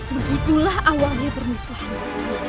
begitulah awalnya permusuhanmu